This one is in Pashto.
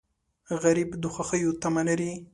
غریب د خوښیو تمه لري